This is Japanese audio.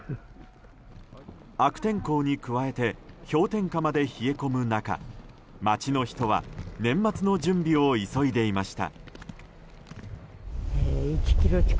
悪天候に加えて氷点下まで冷え込む中街の人は、年末の準備を急いでいました。